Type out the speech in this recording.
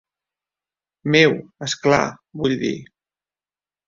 Meu, és clar, vull dir.